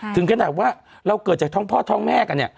ถึงขนาดว่าเราเกิดจากท้องพ่อท้องแม่กันเนี่ย